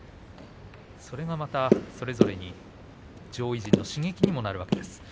それがそれぞれ上位の刺激にもなるわけです。